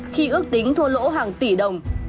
khi ước tính thua lỗ hàng tỷ đồng